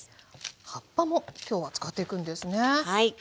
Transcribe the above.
葉っぱも今日は使っていくんですね。